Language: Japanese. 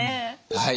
はい。